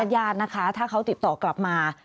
ญาตินะคะถ้าเขาติดต่อกลับมา